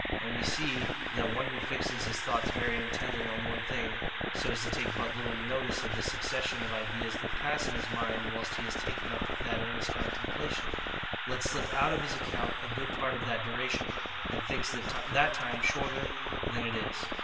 And we see, that one who fixes his thoughts very intently on one thing, so as to take but little notice of the succession of ideas that pass in his mind whilst he is taken up with that earnest contemplation, lets slip out of his account a good part of that duration, and thinks that time shorter than it is.